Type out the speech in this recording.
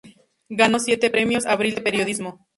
Ganó siete premios "Abril" de Periodismo.